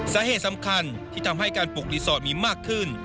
สาเหตุสำคัญที่ทำให้การปลูกรีสอร์ทมีมากขึ้น